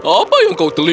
apa yang kau teliti